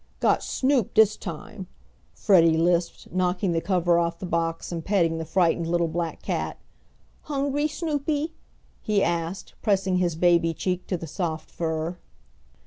"Got Snoop dis time," Freddie lisped, knocking the cover off the box and petting the frightened little black cat. "Hungry, Snoopy?" he asked, pressing his baby cheek to the soft fur.